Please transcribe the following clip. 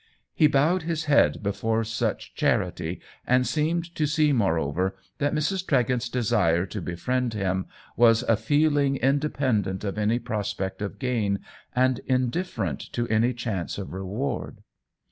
He bowed his head before such charity, and seemed to see moreover that Mrs. Tregent's desire to be friend him was a feeling independent of any prospect of gain and indifferent to any chance of reward.